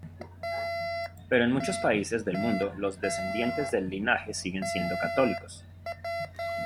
Pero en muchos países del mundo los descendientes del linaje siguen siendo católicos.